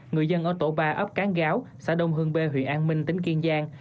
người dân ở tổ ba ấp cáng gáo xã đông hương bê huyện an minh tính kiên giang